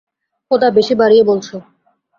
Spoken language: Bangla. খোদা, বেশি বাড়িয়ে বলছো।